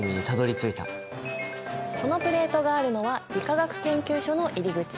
このプレートがあるのは理化学研究所の入り口。